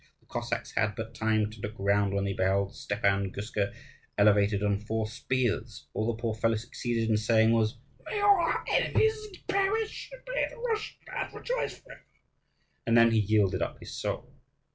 The Cossacks had but time to look round when they beheld Stepan Guska elevated on four spears. All the poor fellow succeeded in saying was, "May all our enemies perish, and may the Russian land rejoice forever!" and then he yielded up his soul.